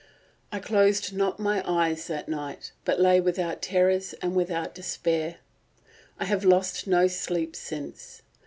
I closed not my eyes that night, but lay without terrors and without despair. I have lost no sleep since.